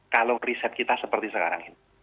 kalau riset kita seperti sekarang ini